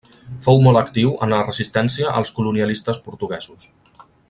Fou molt actiu en la resistència als colonialistes portuguesos.